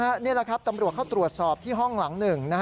นี่แหละครับตำรวจเข้าตรวจสอบที่ห้องหลังหนึ่ง